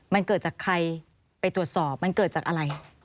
มันเกิดจากใครไปตรวจสอบมันเกิดจากอะไร